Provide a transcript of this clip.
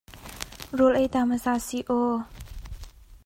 Rawl ei ta hmasa sih aw!